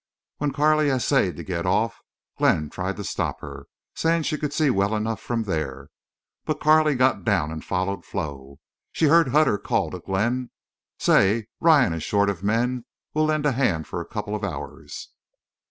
When Carley essayed to get off Glenn tried to stop her, saying she could see well enough from there. But Carley got down and followed Flo. She heard Hutter call to Glenn: "Say, Ryan is short of men. We'll lend a hand for a couple of hours."